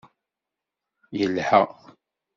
Yelha!